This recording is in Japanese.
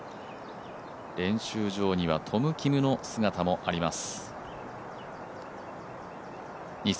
練習場にはトム・キムの姿もあります。